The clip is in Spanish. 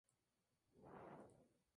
Es de ascendencia checoslovaca.